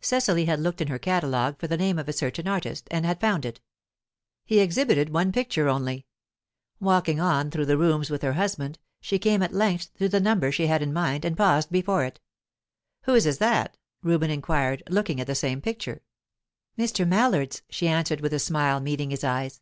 Cecily had looked in her catalogue for the name of a certain artist, and had found it; he exhibited one picture only. Walking on through the rooms with her husband, she came at length to the number she had in mind, and paused before it. "Whose is that?" Reuben inquired, looking at the same picture. "Mr. Mallard's," she answered, with a smile, meeting his eyes.